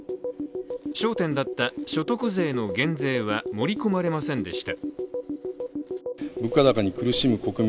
焦点だった、所得税の減税は盛り込まれませんでした。